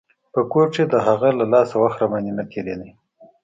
په کور کښې د هغې له لاسه وخت راباندې نه تېرېده.